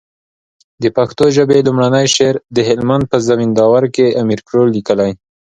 د پښتو ژبي لومړنی شعر د هلمند په زينداور کي امير کروړ ليکلی